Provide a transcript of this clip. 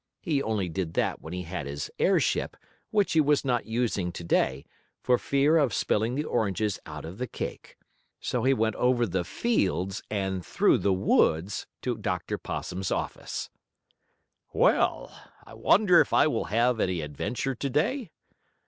He only did that when he had his airship, which he was not using to day, for fear of spilling the oranges out of the cake. So he went over the fields and through the woods to Dr. Possum's office. "Well, I wonder if I will have any adventure to day?"